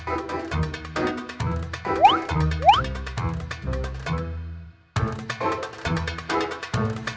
apaan sih lu